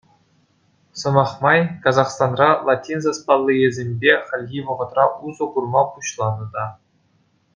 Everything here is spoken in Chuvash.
Сӑмах май, Казахстанра латин саспаллийӗсемпе хальхи вӑхӑтра усӑ курма пуҫланӑ та.